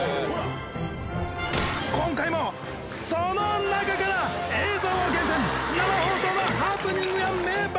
今回もその中から映像を厳選！